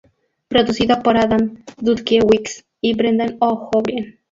Producido por Adam Dutkiewicz y Brendan O'Brien